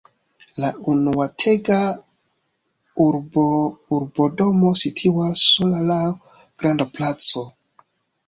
La unuetaĝa urbodomo situas sola laŭ granda placo.